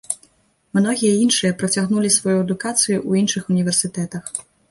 Многія іншыя працягнулі сваю адукацыю ў іншых універсітэтах.